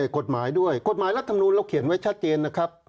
กฎหมายด้วยกฎหมายรัฐมนูลเราเขียนไว้ชัดเจนนะครับ